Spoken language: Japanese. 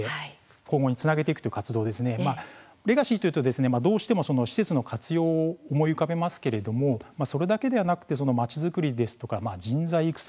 今後につなげていくという活動レガシーというと、どうしても施設の活用を思い浮かべますけれども、それだけではなくまちづくりですとか人材育成